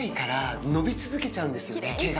毛が。